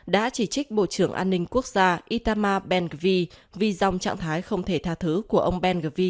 đã chỉ trích bộ trưởng an ninh quốc gia itamar ben ghvi vì dòng trạng thái không thể tha thứ của ông ben ghvi